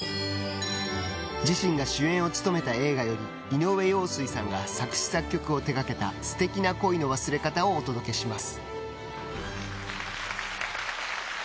自身が主演を務めた映画より井上陽水さんが作詞作曲を手掛けた「ステキな恋の忘れ方」をお届けします。